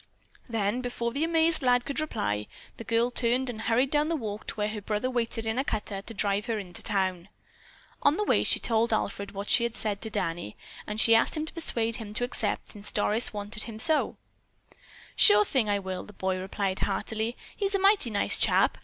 Then, before the amazed lad could reply, the girl turned and hurried down the walk to where her brother waited in a cutter to drive her into town. On the way she told Alfred what she had said to Danny, and she asked him to persuade him to accept since Doris so wanted him. "Sure thing, I will!" the boy replied heartily. "He's a mighty nice chap.